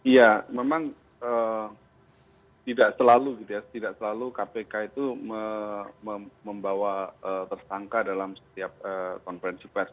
ya memang tidak selalu kpk itu membawa tersangka dalam setiap konferensi pers